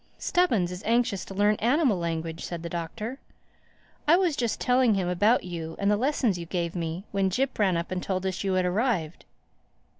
"Stubbins is anxious to learn animal language," said the Doctor. "I was just telling him about you and the lessons you gave me when Jip ran up and told us you had arrived."